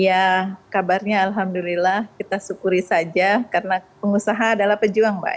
ya kabarnya alhamdulillah kita syukuri saja karena pengusaha adalah pejuang mbak